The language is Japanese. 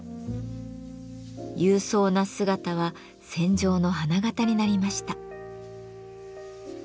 勇壮な姿は戦場の花形になりました。